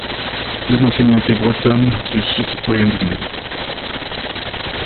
De nationalité bretonne, je suis citoyen du monde.